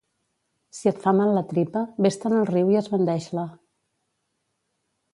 Si et fa mal la tripa, ves-te'n al riu i esbandeix-la.